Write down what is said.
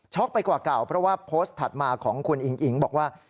ไปกว่าเก่าเพราะว่าโพสต์ถัดมาของคุณอิงอิ๋งบอกว่า